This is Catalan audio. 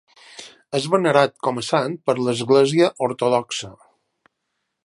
És venerat com a sant per l'Església Ortodoxa.